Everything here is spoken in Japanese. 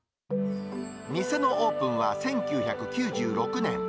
店のオープンは１９９６年。